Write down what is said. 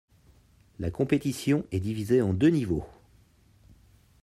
La compétition est divisée en deux niveaux.